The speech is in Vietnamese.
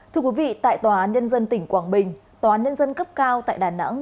thưa quý vị tại tòa án nhân dân tỉnh quảng bình tòa án nhân dân cấp cao tại đà nẵng